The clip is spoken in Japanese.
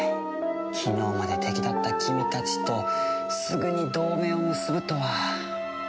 昨日まで敵だった君たちとすぐに同盟を結ぶとは。